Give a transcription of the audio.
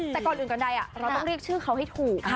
แต่ก่อนอื่นก่อนใดเราต้องเรียกชื่อเขาให้ถูก